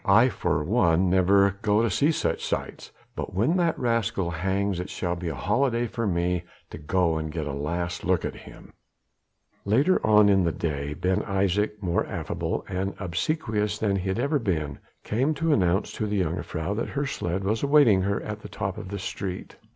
"I for one never go to see such sights, but when that rascal hangs it shall be a holiday for me to go and get a last look at him." Later on in the day, Ben Isaje, more affable and obsequious than he had ever been, came to announce to the jongejuffrouw that her sledge was awaiting her at the top of the street.